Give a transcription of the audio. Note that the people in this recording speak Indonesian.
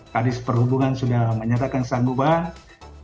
kadis perhubungan sudah menyatakan sanggup bahwa